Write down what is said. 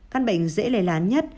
căn bệnh dễ lây lan nhất